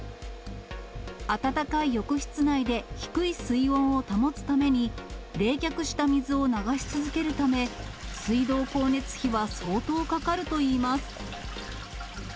暖かい浴室内で低い水温を保つために、冷却した水を流し続けるため、水道光熱費は相当かかるといいます。